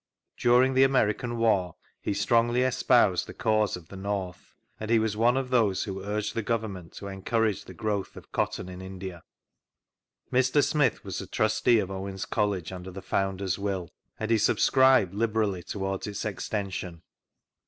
During the American War he strongly espoused the cause of the North, and he was one of those who urged the Government to encoi; rage the growth of cotton in India. 59 vGoogIc 6o THREE ACCOUNTS OF PETERLOO Mr. Smith was a Trustee of Owetis College under the Founder's will; and he subscribed liberally towards its extension.